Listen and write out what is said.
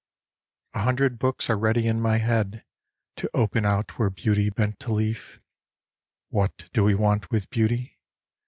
A hundred books are ready in my head To open out where Beauty bent a leaf. What do we want with Beauty